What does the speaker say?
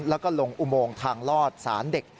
แล้วก็ลงอุโมงทางลอดสารเด็ก